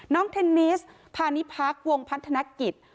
น้องเทนนิสพานิพักวงพัฒนกิจ